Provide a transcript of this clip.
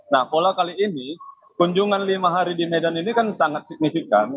nah pola kali ini kunjungan lima hari di medan ini kan sangat signifikan